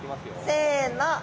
せの！